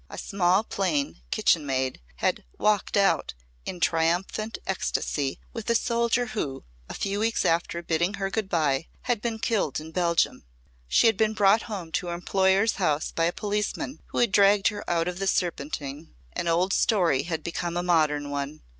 A small, plain kitchen maid had "walked out" in triumphant ecstasy with a soldier who, a few weeks after bidding her good bye, had been killed in Belgium. She had been brought home to her employer's house by a policeman who had dragged her out of the Serpentine. An old story had become a modern one.